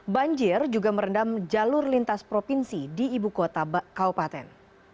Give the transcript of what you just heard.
banjir juga merendam jalur lintas provinsi di ibu kota kaupaten